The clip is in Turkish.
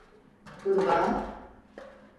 Kurbağa…